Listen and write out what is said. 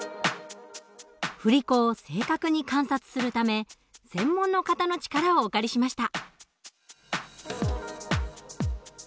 振り子を正確に観察するため専門の方の力をお借りしました。